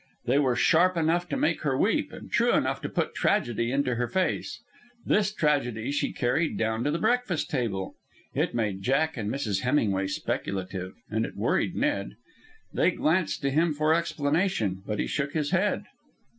They were sharp enough to make her weep, and true enough to put tragedy into her face. This tragedy she carried down to the breakfast table. It made Jack and Mrs. Hemingway speculative, and it worried Ned. They glanced to him for explanation, but he shook his head.